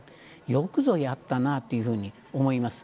よくぞやったなというふうに思います。